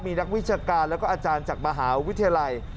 มีนักวิชาการแล้วก็อาจารย์จากมหาวิทยาลัย